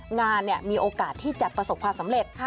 งานมีโอกาสที่จะประสบความสำเร็จ